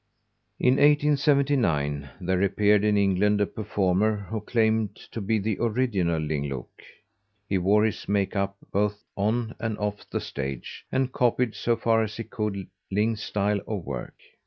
In 1879 there appeared in England a performer who claimed to be the original Ling Look. He wore his make up both on and off the stage, and copied, so far as he could, Ling's style of work.